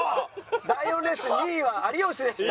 第４レース２位は有吉でした。